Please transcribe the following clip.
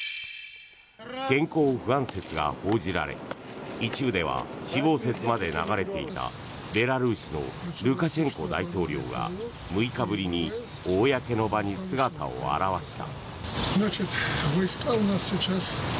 健康不安説が報じられ一部では死亡説まで流れていたベラルーシのルカシェンコ大統領が６日ぶりに公の場に姿を現した。